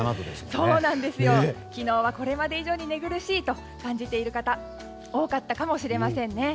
昨日は、これまで以上に寝苦しいと感じている方多かったかもしれませんね。